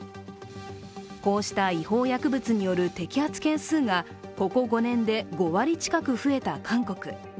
こうした違法薬物による摘発件数がここ５年で５割近く増えた韓国。